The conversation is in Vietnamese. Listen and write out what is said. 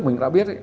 mình đã biết